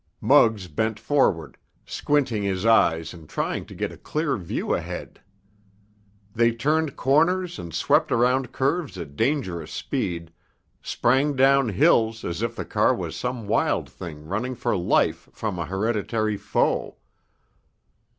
Muggs bent forward, squinting his eyes and trying to get a clear view ahead. They turned corners and swept around curves at dangerous speed, sprang down hills as if the car was some wild thing running for life from a hereditary foe.